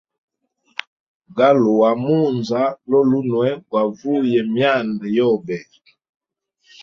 Galua munza lolunwe gwa vuye myanda yobe.